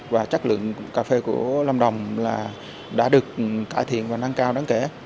và chất lượng cà phê của lâm đồng đã được cải thiện và nâng cao đáng kể